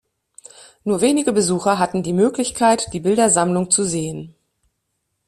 Nur wenige Besucher hatten die Möglichkeit, die Bildersammlung zu sehen.